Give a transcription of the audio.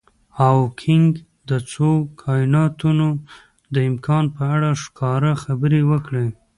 هاوکېنګ د څو کایناتونو د امکان په اړه ښکاره خبرې وکړي.